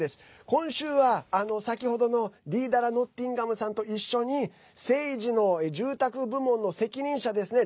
今週は、先ほどのディーダラ・ノッティンガムさんと一緒にＳＡＧＥの住宅部門の責任者ですね。